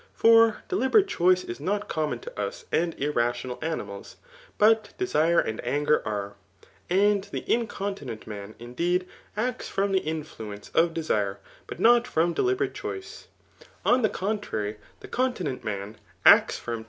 For deliberate choice is not common to us and irrational animals ; but desire and anger are. And the incontinent man, indeed, acts hoBk the influence of desire, but not from deliberate dracep On die contrary, the contment man acts from^ ArisU VOL.